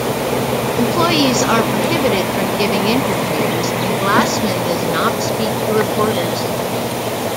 Employees are prohibited from giving interviews, and Glassman does not speak to reporters.